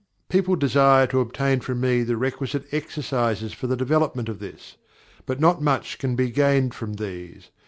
People desire to obtain from me the requisite exercises for the development of this; but not much can be gained from these.